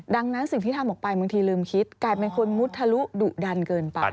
ดังนั้นสิ่งที่ทำออกไปบางทีลืมคิดกลายเป็นคนมุทะลุดุดันเกินไป